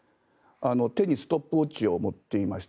手にストップウォッチを持っていました。